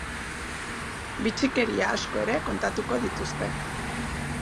Bitxikeria asko ere kontatuko dituzte.